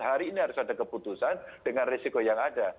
hari ini harus ada keputusan dengan risiko yang ada